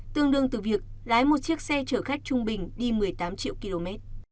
tương đương từ việc lái một chiếc xe chở khách trung bình đi một mươi tám triệu km